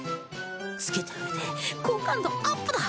つけてあげて好感度アップだ！